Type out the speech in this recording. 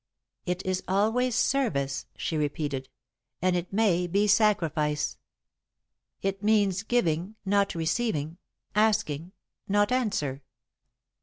"It is always service," she repeated, "and it may be sacrifice. It means giving, not receiving; asking, not answer."